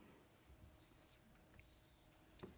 หลวงเขาก็บอกว่าแค่ทีแรกก็มาขอแค่๔เมตร